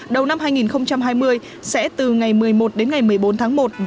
đầu năm hai nghìn hai mươi sẽ từ ngày một mươi một đến ngày một mươi bốn tháng một